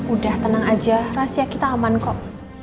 udah tenang aja rahasia kita aman kok